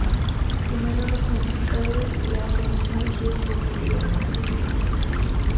Primero, los identificadores de átomos son elegidos por el servidor, no por el cliente.